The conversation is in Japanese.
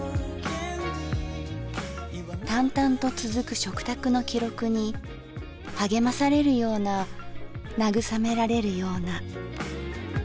淡々と続く食卓の記録に励まされるような慰められるような。